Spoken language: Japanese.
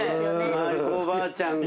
萬里子おばあちゃんが。